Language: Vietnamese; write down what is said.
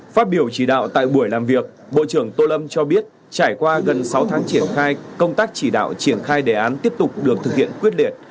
phát biểu chỉ đạo tại buổi làm việc bộ trưởng tô lâm cho biết trải qua gần sáu tháng triển khai công tác chỉ đạo triển khai đề án tiếp tục được thực hiện quyết liệt